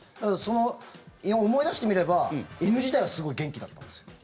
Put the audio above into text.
思い出してみれば、犬自体はすごい元気だったんですよ。